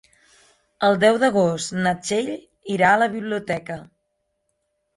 El deu d'agost na Txell irà a la biblioteca.